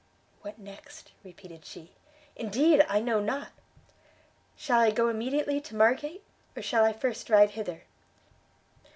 "What next?" repeated she; "indeed I know not!" "Shall I go immediately to Margate? or shall I first ride hither?"